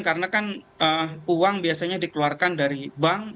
karena kan uang biasanya dikeluarkan dari bank